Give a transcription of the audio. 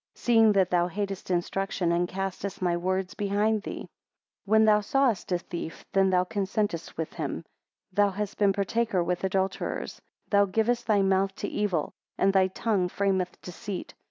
Seeing that thou hatest instruction, and castest my words behind thee. 11 When thou sawest a thief, then thou consentedst with him; thou hast been partaker with adulterers, Thou givest thy mouth to evil, and thy tongue frameth deceit.